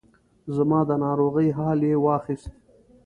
زما د ناروغۍ حال یې واخیست.